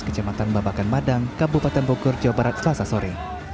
kejematan babakan madang kabupaten bukur jawa barat selasa sore